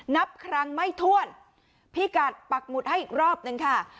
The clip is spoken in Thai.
นับครั้งไม่ถ้วนพี่กัดปักหมุดให้อีกรอบหนึ่งค่ะ